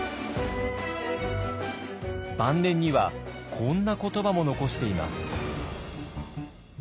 晩年にはこんな言葉も残しています。